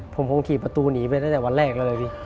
ผมคงขี่ประตูหนีไปตั้งแต่วันแรกแล้วเลยพี่